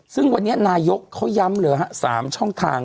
ซึ่งวันนี้นายกเขาย้ำเหลือ๓ช่องทาง